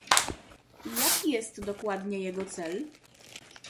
Jaki jest dokładnie jego cel?